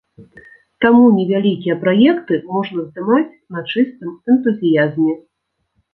Таму невялікія праекты можна здымаць на чыстым энтузіязме.